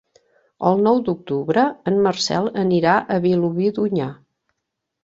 El nou d'octubre en Marcel anirà a Vilobí d'Onyar.